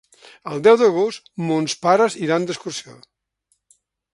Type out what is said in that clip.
El deu d'agost mons pares iran d'excursió.